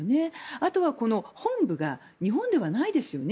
あとは本部が日本ではないですよね。